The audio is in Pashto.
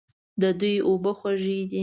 د دوی اوبه خوږې دي.